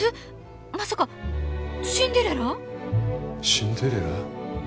シンデレラ？